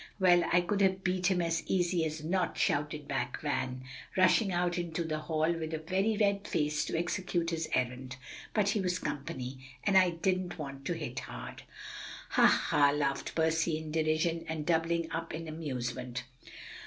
"Well, I could have beat him as easy as not," shouted back Van, rushing out into the hall with a very red face to execute his errand; "but he was company, and I didn't want to hit hard." "Ha, ha!" laughed Percy in derision, and doubling up in amusement.